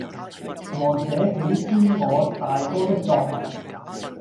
和這幾天我大哥的作爲，